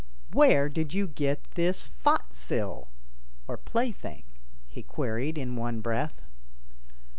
"Where did you get this Fot sil?" (or plaything), he queried in one breath.